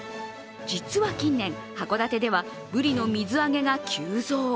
実は近年、函館ではブリの水揚げが急増。